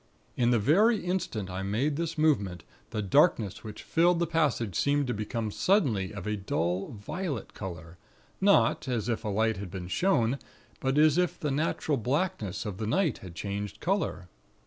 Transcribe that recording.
In the very instant I made this movement, the darkness which filled the passage seemed to become suddenly of a dull violet color; not, as if a light had been shone; but as if the natural blackness of the night had changed color.